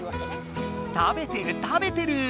食べてる食べてる。